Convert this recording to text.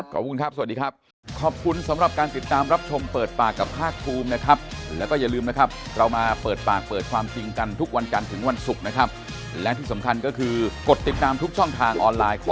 กลับมากรุงเทพฯแล้วคงได้เจอกันนะครับวันนี้ขอบคุณนะครับ